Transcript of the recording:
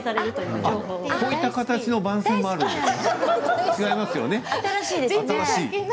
こういった形の番宣もあるんですね。